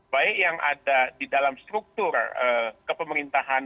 baik yang ada di dalam struktur kepemerintahan